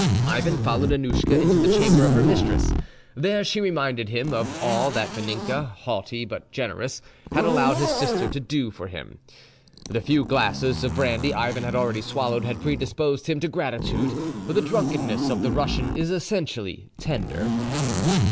Ivan followed Annouschka into the chamber of her mistress. There she reminded him of all that Vaninka, haughty but generous, had allowed his sister to do for him. The, few glasses of brandy Ivan had already swallowed had predisposed him to gratitude (the drunkenness of the Russian is essentially tender).